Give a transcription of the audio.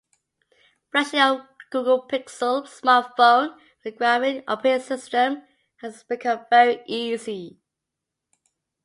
Flashing your Google Pixel smartphone with Graphene Operating System has become very easy.